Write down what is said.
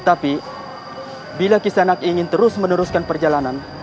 tapi bila kisanak ingin terus meneruskan perjalanan